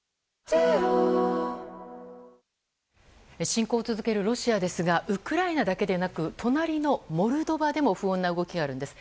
侵攻を続けるロシアですがウクライナだけでなく隣のモルドバでも不穏な動きがあるんです。